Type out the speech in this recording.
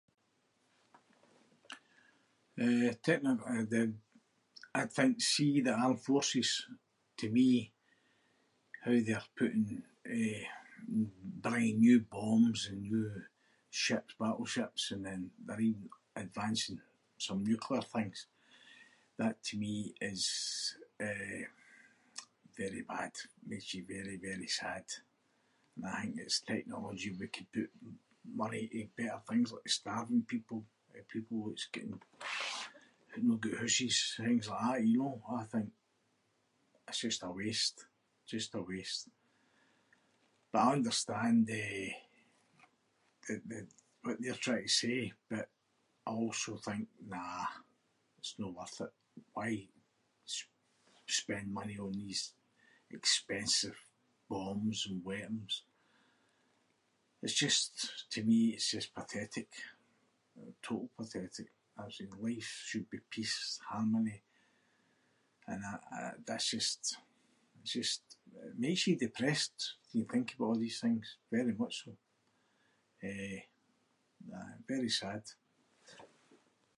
Eh, technol- eh, the- I think see the armed forces, to me how they’re putting eh- bringing new bombs and new ships- battleships and then they’re even advancing some nuclear things. That, to me is, eh, very bad. Makes you very, very sad. And I think it’s technology we could put money to better things like starving people, eh, people that’s getting- no got hooses. Things like that, you know? I think it’s just a waste. Just a waste. But I understand, eh, th- th- what they’re trying to say but I also think nah. It’s no worth it. Why s- spend money on these expensive bombs and weapons? It’s just, to me, it’s just pathetic. Totally pathetic. [inc] life should be peace, harmony and I- d-it’s just- it just- it makes you depressed when you think aboot a’ these things. Very much so. Eh, aye. Very sad.